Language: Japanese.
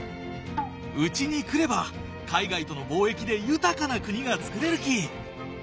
うちに来れば海外との貿易で豊かな国がつくれるき！